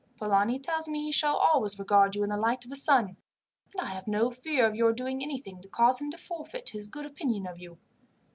Polani tells me he shall always regard you in the light of a son; and I have no fear of your doing anything to cause him to forfeit his good opinion of you.